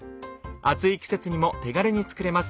暑い季節にも手軽に作れます